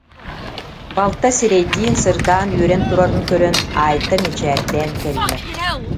Балта сирэйдиин сырдаан үөрэн турарын көрөн, Айта мичээрдээн кэллэ